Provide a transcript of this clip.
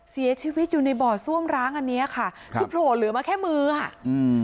เสียชีวิตอยู่ในบ่อซ่วมร้างอันเนี้ยค่ะครับคือโผล่เหลือมาแค่มืออ่ะอืม